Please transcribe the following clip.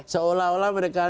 seolah olah mereka tidak